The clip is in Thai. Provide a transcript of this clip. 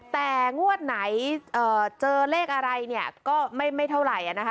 แต่งวดไหนเจอเลขอะไรเนี่ยก็ไม่เท่าไหร่นะคะ